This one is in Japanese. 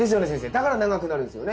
だから長くなるんですよね？